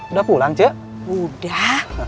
udah pulang c udah